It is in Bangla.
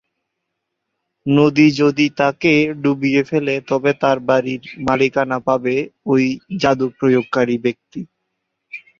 নদী যদি তাকে ডুবিয়ে ফেলে তবে তার বাড়ীর মালিকানা পাবে ঐ যাদু প্রয়োগকারী ব্যক্তি।